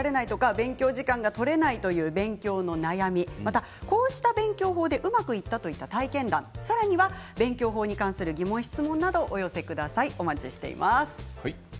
勉強時間が取れないという勉強の悩みやこうした勉強法でうまくいったという体験談勉強法に関する疑問、質問などお寄せください。